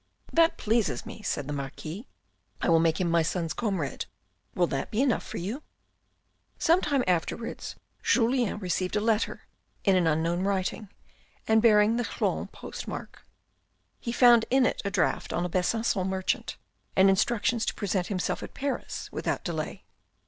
" That pleases me," said the Marquis. " I will make him my son's comrade. Will that be enough for you ?" Some time afterwards, Julien received a letter in an unknown writing, and bearing the Chlon postmark. He found in it a draft on a Besancon merchant, and instructions to present himself at Paris without delay.